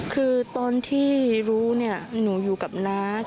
คือตอนที่รู้เนี่ยหนูอยู่กับน้า